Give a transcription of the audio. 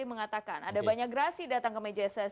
setelah jidaya kita bahas